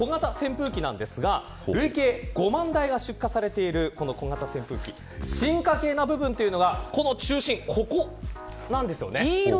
今や定番の小型扇風機なんですが累計５万台が出荷されているこの小型扇風機進化形な部分というのが中心なんです。